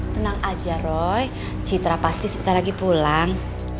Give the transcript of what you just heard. tenang aja roy citra pasti sebentar lagi pulang